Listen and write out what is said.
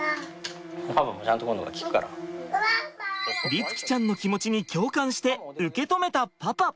律貴ちゃんの気持ちに共感して受け止めたパパ。